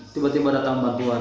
tiba tiba datang bantuan